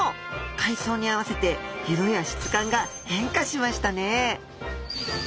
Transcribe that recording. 海藻に合わせて色や質感が変化しましたね！